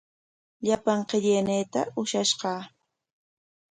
Llapan qillayninta ushashqa.